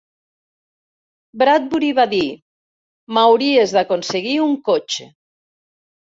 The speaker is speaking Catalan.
Bradbury va dir: "M'hauries d'aconseguir un cotxe".